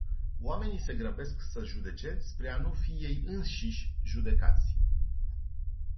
Oamenii se grăbesc să judece spre a nu fi ei înșiși judecați.